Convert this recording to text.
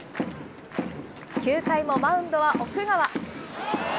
９回もマウンドは奥川。